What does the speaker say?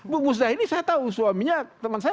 bu musnah ini saya tahu suaminya teman saya